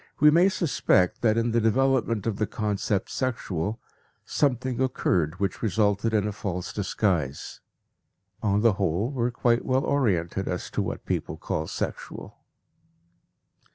We may suspect that in the development of the concept "sexual" something occurred which resulted in a false disguise. On the whole, we are quite well oriented as to what people call sexual.